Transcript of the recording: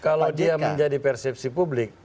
kalau dia menjadi persepsi publik